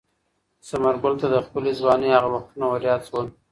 ثمرګل ته د خپلې ځوانۍ هغه وختونه وریاد شول.